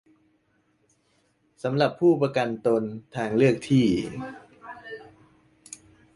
สำหรับผู้ประกันตนทางเลือกที่